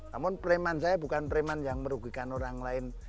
namun preman saya bukan preman yang merugikan orang lain